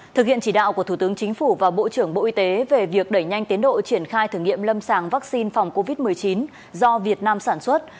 thực hiện chỉ đạo của thủ tướng chính phủ và bộ trưởng bộ y tế về việc đẩy nhanh tiến độ triển khai thử nghiệm lâm sàng vaccine phòng covid một mươi chín do việt nam sản xuất